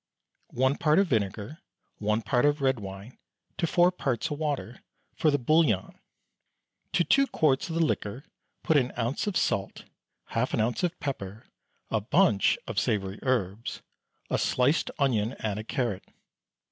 One part of vinegar, one part of red wine, to four parts of water, for the "bouillon." To two quarts of the liquor put an ounce of salt, half an ounce of pepper, a bunch of savoury herbs, a sliced onion and a carrot.